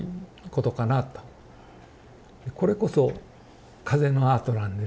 これこそ風のアートなんで。